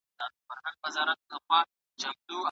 زده کړه په هر ځای کې ممکنه ده.